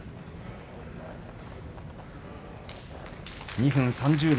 ２分３０秒。